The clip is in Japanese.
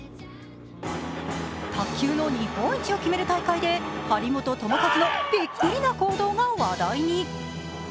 卓球の日本一を決める大会で、張本智和のびっくりな行動が話題に。